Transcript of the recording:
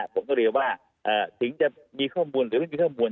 ผมก็เรียกว่าถึงจะมีข้อมูลหรือไม่มีข้อมูล